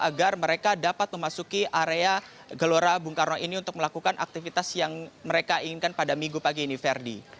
agar mereka dapat memasuki area gelora bung karno ini untuk melakukan aktivitas yang mereka inginkan pada minggu pagi ini ferdi